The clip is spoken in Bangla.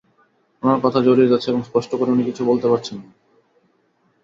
ওনার কথা জড়িয়ে যাচ্ছে এবং স্পষ্ট করে উনি কিছু বলতে পারছেন না।